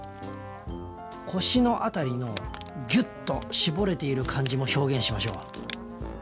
腰の辺りのぎゅっと絞れている感じも表現しましょう。